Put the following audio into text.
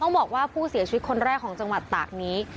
บอกว่าผู้เสียชีวิตคนแรกของจังหวัดตากนี้